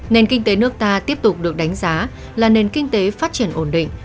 nền kinh tế nước ta tiếp tục được đánh giá là nền kinh tế phát triển ổn định